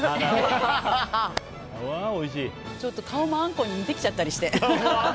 ちょっと顔もアンコウに似てきちゃったりして。